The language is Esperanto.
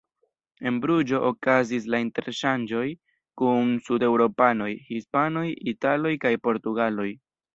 En Bruĝo okazis la interŝanĝoj kun sud-eŭropanoj: hispanoj, italoj kaj portugaloj.